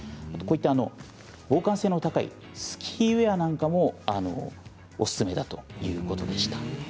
こういった防寒性が高いスキーウエアなんかもおすすめだということでした。